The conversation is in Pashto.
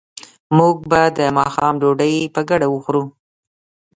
موږ به د ماښام ډوډۍ په ګډه وخورو